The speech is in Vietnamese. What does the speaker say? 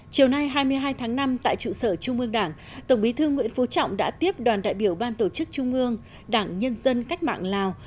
chiều nay hai mươi hai tháng năm tại trụ sở trung ương đảng tổng bí thư nguyễn phú trọng đã tiếp đoàn đại biểu ban tổ chức trung ương đảng nhân dân cách mạng lào